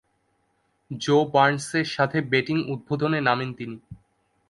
জো বার্নসের সাথে ব্যাটিং উদ্বোধনে নামেন তিনি।